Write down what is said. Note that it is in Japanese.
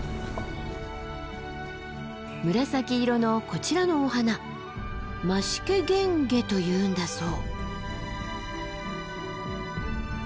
紫色のこちらのお花マシケゲンゲというんだそう。